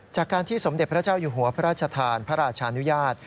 จากการที่สมเด็จพระเจ้าอยู่หัวพระราชทานพระราชานุญาต